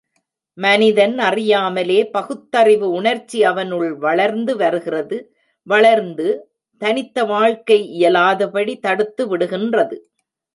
மனிதன் அறியாமலே பகுத்தறிவு உணர்ச்சி அவனுள் வளர்ந்து வருகிறது வளர்ந்து தனித்த வாழ்க்கை இயலாதபடி தடுத்துவிடுகின்றது.